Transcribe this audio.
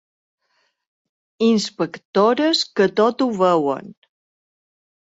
Inspectores que tot ho veuen.